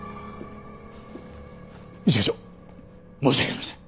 一課長申し訳ありません。